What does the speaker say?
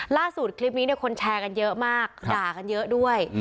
คลิปนี้คนแชร์กันเยอะมากด่ากันเยอะด้วย